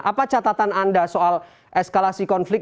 apa catatan anda soal eskalasi konflik